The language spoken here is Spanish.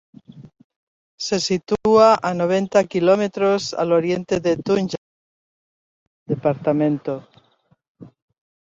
Se sitúa a noventa kilómetros al oriente de Tunja, la capital del departamento.